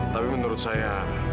tapi menurut saya